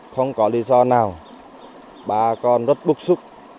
không có lý do nào bà con rất bức xúc